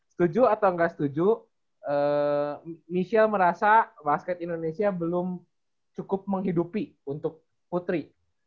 setuju atau nggak setuju michelle merasa basket indonesia belum cukup menghidupi untuk putri